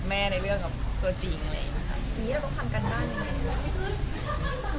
แต่ในเรื่องพอเข้ามาแบบห่างไกลมาก